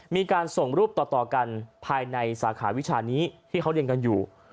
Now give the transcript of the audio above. มีการส่งรูปต่อกันภายในสาขาวิชานี้ที่เขาเรียนกันอยู่